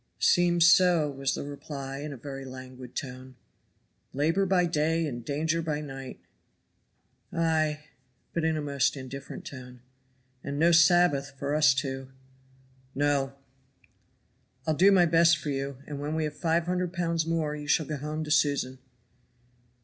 "Seems so," was the reply, in a very languid tone. "Labor by day and danger by night." "Ay," but in a most indifferent tone. "And no Sabbath for us two." "No!" "I'll do my best for you, and when we have five hundred pounds more you shall go home to Susan."